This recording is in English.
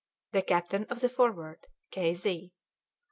"THE CAPTAIN OF THE 'FORWARD,' "K. Z."